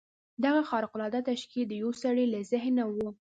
دغه خارق العاده تشکیل د یوه سړي له ذهنه و